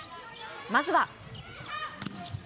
まずは。